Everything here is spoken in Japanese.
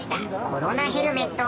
コロナヘルメット。